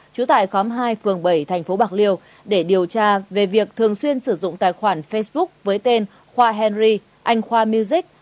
trú tại khóm hai phường bảy thành phố bạc liêu để điều tra về việc thường xuyên sử dụng tài khoản facebook với tên khoa henry anh khoa music